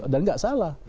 dan nggak salah